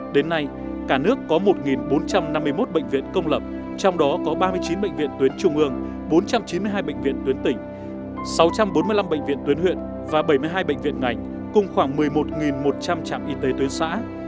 đến nay cả nước có một bốn trăm năm mươi một bệnh viện công lập trong đó có ba mươi chín bệnh viện tuyến trung ương bốn trăm chín mươi hai bệnh viện tuyến tỉnh sáu trăm bốn mươi năm bệnh viện tuyến huyện và bảy mươi hai bệnh viện ngành cùng khoảng một mươi một một trăm linh trạm y tế tuyến xã